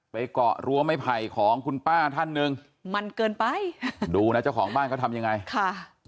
เกาะรั้วไม่ไผ่ของคุณป้าท่านหนึ่งมันเกินไปดูนะเจ้าของบ้านเขาทำยังไงค่ะ